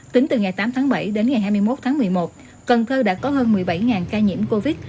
tính từ ngày tám tháng bảy đến ngày hai mươi một tháng một mươi một cần thơ đã có hơn một mươi bảy ca nhiễm covid